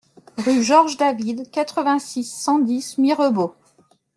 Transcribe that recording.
Rue Georges David, quatre-vingt-six, cent dix Mirebeau